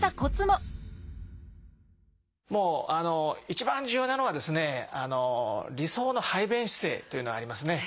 もう一番重要なのはですね理想の排便姿勢というのはありますね。